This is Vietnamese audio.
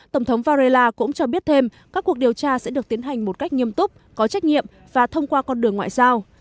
tổng thống varela cũng cho biết thêm các cuộc điều tra sẽ được tiến hành một cách nghiêm túc có trách nhiệm và thông qua con đường ngoại giao